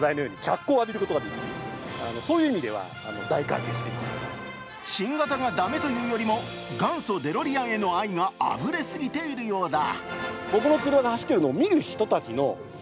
新型について聞くと新型が駄目というよりも元祖デロリアンへの愛があふれすぎているようだ。